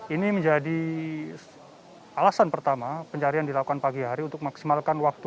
ini menjadi alasan pertama pencarian dilakukan pagi hari untuk memaksimalkan waktu